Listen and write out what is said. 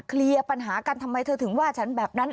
เคลียร์ปัญหากันทำไมเธอถึงว่าฉันแบบนั้น